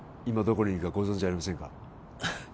今どこにいるかご存じありませんか？